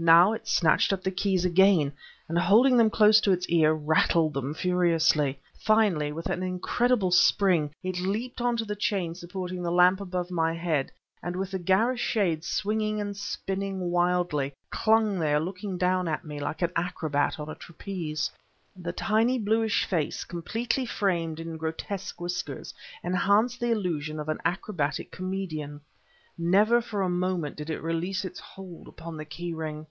Now it snatched up the keys again, and holding them close to its ear, rattled them furiously. Finally, with an incredible spring, it leaped onto the chain supporting the lamp above my head, and with the garish shade swinging and spinning wildly, clung there looking down at me like an acrobat on a trapeze. The tiny, bluish face, completely framed in grotesque whiskers, enhanced the illusion of an acrobatic comedian. Never for a moment did it release its hold upon the key ring.